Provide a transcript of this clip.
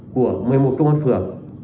của một mươi một công an phường